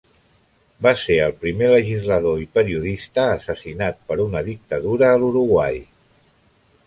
Va ser el primer legislador i periodista assassinat per una dictadura a l'Uruguai.